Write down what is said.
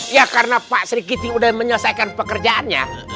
ya karena pak sri giti udah menyelesaikan pekerjaannya